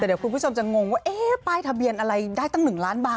แต่เดี๋ยวคุณผู้ชมจะงงว่าเอ๊ะป้ายทะเบียนอะไรได้ตั้ง๑ล้านบาท